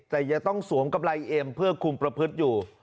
แต่ยังต้องสวมกำไรเอ็มเพื่อคุมประพฤติอยู่